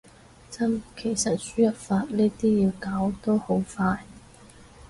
真，其實輸入法呢啲要搞都好快